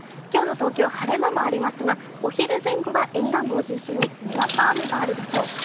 今日の東京、晴れ間もありますがお昼前後は沿岸部を中心ににわか雨があるでしょう。